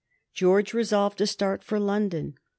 George resolved to start for London.